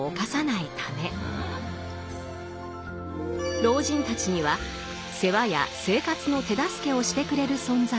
老人たちには世話や生活の手助けをしてくれる存在が友人なのだと。